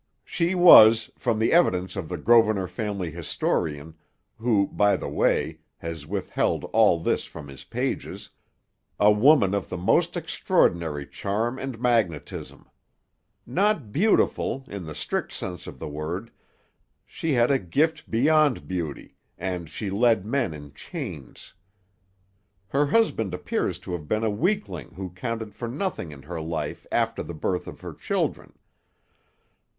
She was, from the evidence of the Grosvenor family historian, who, by the way, has withheld all this from his pages, a woman of the most extraordinary charm and magnetism. Not beautiful, in the strict sense of the word, she had a gift beyond beauty, and she led men in chains. Her husband appears to have been a weakling who counted for nothing in her life after the birth of her children.